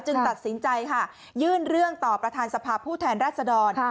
ตัดสินใจค่ะยื่นเรื่องต่อประธานสภาพผู้แทนรัศดร